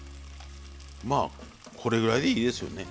まあこれぐらいでいいですよね。